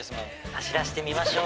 走らせてみましょう。